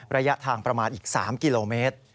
ระยะทางประมาณอีก๓กิโลเมตร